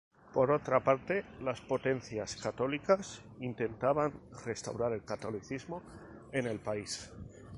Por otra parte, las potencias católicas intentaban restaurar el catolicismo en el país.